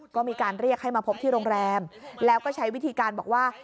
ก็มีการเรียกให้มาพบที่โรงแรมแล้วก็ใช้วิธีการบอกว่า